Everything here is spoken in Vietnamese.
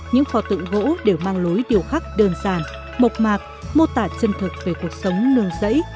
những phò tượng gỗ đều mang lối đi điều khắc đơn giản mộc mạc mô tả chân thực về cuộc sống nương dẫy